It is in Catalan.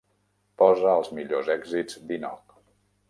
Posa els millors èxits d'Inoj.